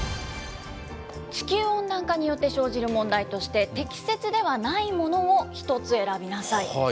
地球温暖化によって生じる問題として、適切ではないものを１つ選びなさい。